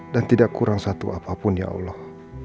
dan tidak kurang satu apapun ya allah